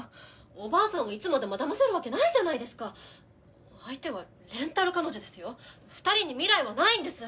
おばあさんをいつまでもだませるわけないじゃないですか相手はレンタル彼女ですよ２人に未来はないんです！